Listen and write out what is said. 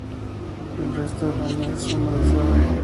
El resto del año es húmedo y suave.